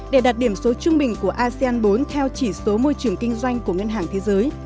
để đạt điểm số trung bình của asean bốn theo chỉ số môi trường kinh doanh của ngân hàng thế giới